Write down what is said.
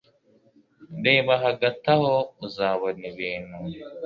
Reba hagati aho uzabona ibintu